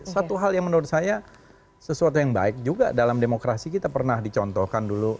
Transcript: satu hal yang menurut saya sesuatu yang baik juga dalam demokrasi kita pernah dicontohkan dulu